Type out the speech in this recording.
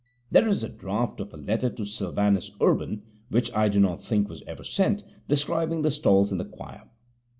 There is a draft of a letter to Sylvanus Urban (which I do not think was ever sent) describing the stalls in the choir.